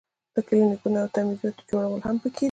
د کلینیکونو او تعمیراتو جوړول هم پکې دي.